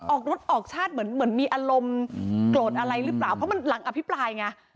ออกรถออกชาติเหมือนมีอารมณ์โกรธอะไรหรือเปล่าเพราะมันหลังอภิปรายไง